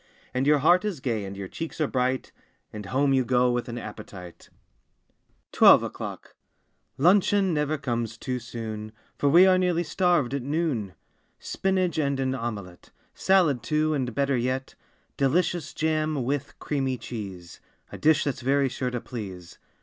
And your heart is gay and your cheeks are bright— And home you go with an appetite! 21 ELEVEN O'CLOCK 23 TWELVE O'CLOCK 1 UNCHEON never comes too soon, J Eor we are nearly starved at noon! Spinach and an omelette, Salad, too, and better yet Delicious jam with creamy cheese— A dish that's very sure to please!